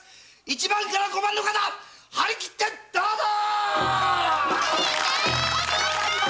一番から五番の方張り切ってどうぞ。